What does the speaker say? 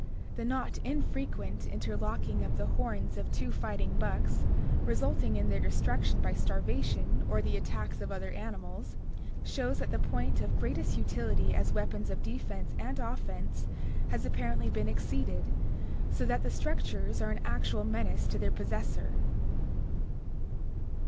The not infrequent interlocking of the horns of two fighting bucks, resulting in their destruction by starvation or the attacks of other animals, shows that the point of greatest utility as weapons of defense and offense has apparently been exceeded, so that the structures are an actual menace to their possessor.